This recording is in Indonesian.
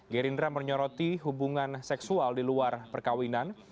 gerindra menyoroti hubungan seksual di luar perkawinan